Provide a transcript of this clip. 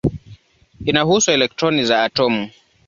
Inahusu elektroni za atomu.